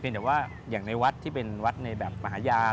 แต่ว่าอย่างในวัดที่เป็นวัดในแบบมหาญาณ